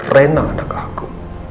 rena anak aku